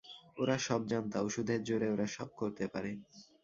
ওরা সবজান্তা, ওষুধের জোরে ওরা সব করতে পারে।